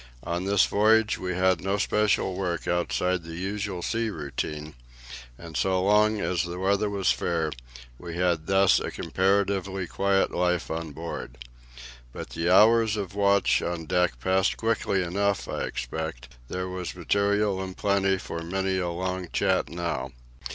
On this voyage we had no special work outside the usual sea routine, and so long as the weather was fair, we had thus a comparatively quiet life on board. But the hours of watch on deck passed quickly enough, I expect; there was material in plenty for many a long chat now.